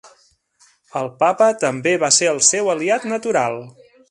El Papa també va ser el seu aliat natural.